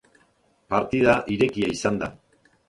Partida irekia izan da.